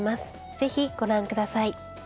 是非ご覧下さい。